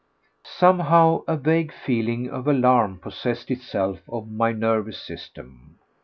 Somehow a vague feeling of alarm possessed itself of my nervous system.